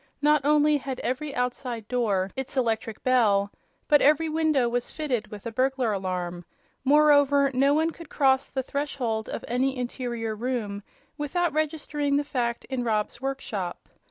Not only had every outside door its electric bell, but every window was fitted with a burglar alarm; moreover no one could cross the threshold of any interior room without registering the fact in Rob's workshop.